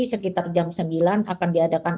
sekitar jam sembilan akan diadakan